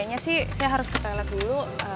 makanya sih saya harus ke toilet dulu